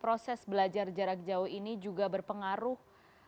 proses belajar jarak jauh ini juga berpengaruh